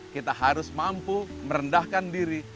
kita harus mampu merendahkan diri